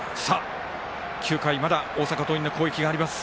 ９回、まだ大阪桐蔭の攻撃があります。